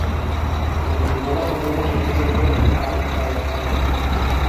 El vint-i-nou de febrer na Judit i en Llop van a Alfafar.